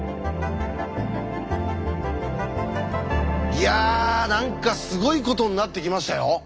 いや何かすごいことになってきましたよ！